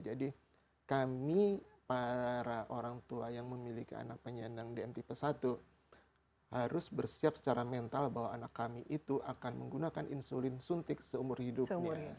jadi kami para orang tua yang memiliki anak penyandang dmt satu harus bersiap secara mental bahwa anak kami itu akan menggunakan insulin suntik seumur hidupnya